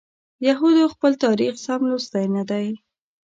یهودو خپل تاریخ سم لوستی نه دی.